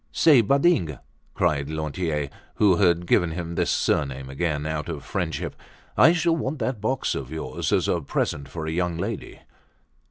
"Say, Badingue!" cried Lantier, who had given him this surname again, out of friendship. "I shall want that box of yours as a present for a young lady."